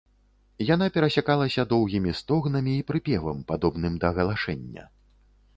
Яна перасякалася доўгімі стогнамі і прыпевам, падобным да галашэння.